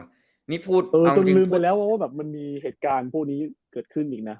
จนลืมไปแล้วว่ามันมีเหตุการณ์พวกนี้เกิดขึ้นอีกนะ